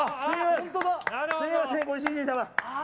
すみません、ご主人様。